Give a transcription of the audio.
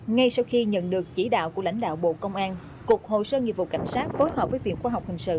ngay sau khi nhận được chỉ đạo của lãnh đạo bộ công an cục hồ sơ nghiệp vụ cảnh sát phối hợp với viện khoa học hình sự